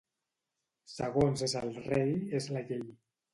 Segons és el rei és la llei.